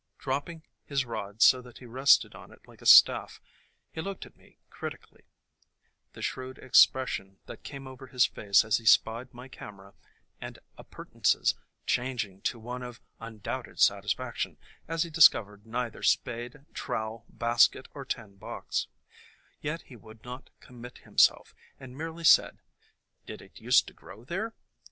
Dropping his rod so that he rested on it like a staff, he looked at me critically, the shrewd expression that came over his face as he spied my camera and appurtenances changing to one of undoubted satis faction as he discovered neither spade, trowel, basket or tin box; yet he would not commit himself, and merely said, "Did it use to grow there?"